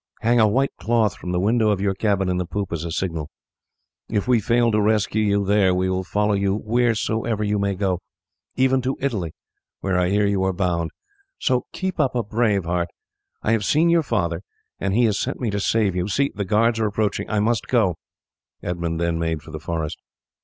Hang a white cloth from the window of your cabin in the poop as a signal. If we fail to rescue you there we will follow you wheresoever you may go, even to Italy, where I hear you are bound. So keep up a brave heart. I have seen your father, and he has sent me to save you. See, the guards are approaching, I must go." Edmund then made for the forest.